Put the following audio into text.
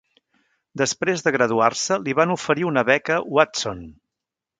Després de graduar-se, li van oferir una beca Watson.